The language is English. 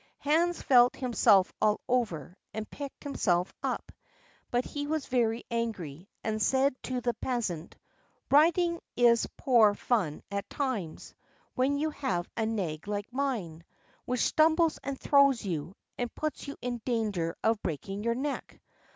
Hans felt himself all over, and picked himself up; but he was very angry, and said to the peasant: "Riding is poor fun at times, when you have a nag like mine, which stumbles and throws you, and puts you in danger of breaking your neck.